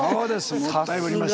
もったいぶりました。